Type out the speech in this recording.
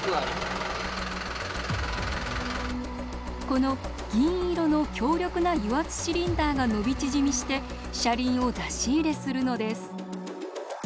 この銀色の強力な油圧シリンダーが伸び縮みして車輪を出し入れするのです。